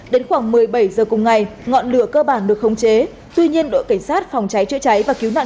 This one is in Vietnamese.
đội cảnh sát phòng cháy chữa cháy và cứu nạn